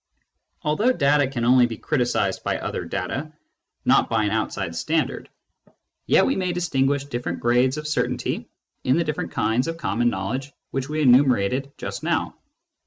Although data can only be criticised by other data, not by an outside standard, yet we may distinguish different grades of certainty in the different kinds of common knowledge which we enumerated just now.